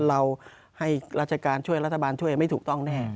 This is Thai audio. เราให้ราชการช่วยรัฐบาลช่วยไม่ถูกต้องแน่